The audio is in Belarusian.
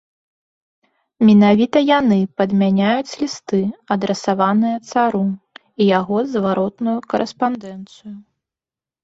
Менавіта яны падмяняюць лісты, адрасаваныя цару, і яго зваротную карэспандэнцыю.